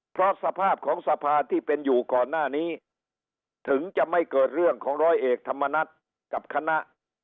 เพราะสภาพของสภาที่เป็นอยู่ก่อนหน้านี้ถึงจะไม่เกิดเรื่องของร้อยเอกธรรมนัฏกับคณะ